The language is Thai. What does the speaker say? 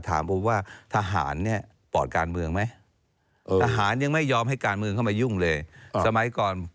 ถามว่าทหารปอดการเมืองไหมทหารยังไม่ยอมให้การเมืองเข้ามายุ่งเลย